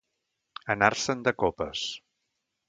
Anar-se'n de copes.